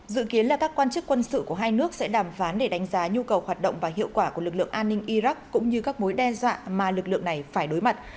dự kiến là các quan chức quân sự của hai nước sẽ đàm phán để đánh giá nhu cầu hoạt động và hiệu quả của lực lượng an ninh iraq cũng như các mối đe dọa mà lực lượng này phải đối mặt